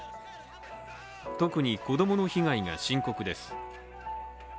特に子供の被害が深刻です。